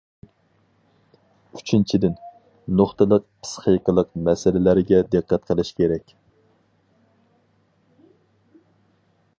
ئۈچىنچىدىن، نۇقتىلىق پىسخىكىلىق مەسىلىلەرگە دىققەت قىلىش كېرەك.